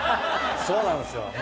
そうなんすよ。